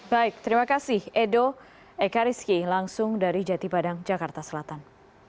baik terima kasih edo ekariski langsung dari jati padang jakarta selatan